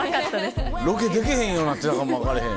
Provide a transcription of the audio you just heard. ロケでけへんようになってたかも分かれへん。